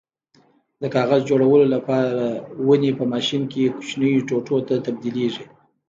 د کاغذ جوړولو لپاره ونې په ماشین کې کوچنیو ټوټو ته تبدیلېږي.